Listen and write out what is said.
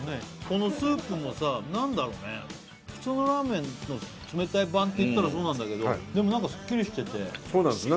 このスープもさ何だろうね普通のラーメンの冷たい版っていったらそうなんだけどでも何かすっきりしててそうなんです